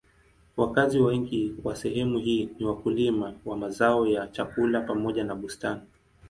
Wakazi wengi wa sehemu hii ni wakulima wa mazao ya chakula pamoja na bustani.